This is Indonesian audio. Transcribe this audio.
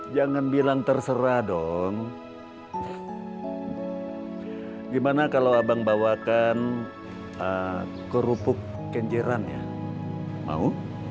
jangan bilang terserah dong gimana kalau abang bawakan kerupuk kenjeran ya mau